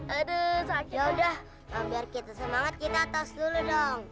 aduh sakit ya udah biar kita semangat kita atas dulu dong